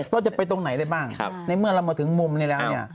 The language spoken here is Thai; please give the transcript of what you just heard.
เราจะไปตรงไหนได้บ้างในเมื่อเรามาถึงมุมนี้แล้วเนี่ย